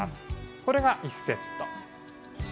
これが１セット。